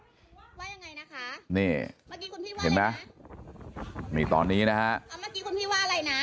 ว่ายังไงนะคะเห็นไหมมีตอนนี้นะฮะ